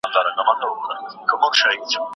سرمایه داري نظام د انسانیت لپاره ستره ننګونه ده.